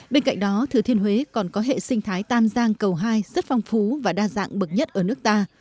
bên cạnh đó thừa thiên huế còn có hệ sinh thái tam giang cầu hai rất phong phú và đa dạng bậc nhất ở nước ta